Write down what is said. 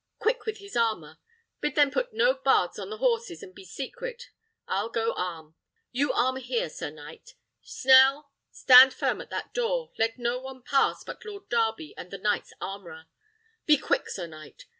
Quick with his armour! Bid them put no bards on the horses, and be secret. I'll go arm. You arm here, sir knight. Snell! stand firm at that door; let no one pass but Lord Darby and the knight's armourer. Be quick, sir knight!